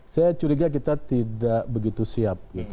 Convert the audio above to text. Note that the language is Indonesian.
saya curiga kita tidak begitu siap